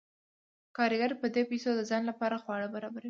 کارګر په دې پیسو د ځان لپاره خواړه برابروي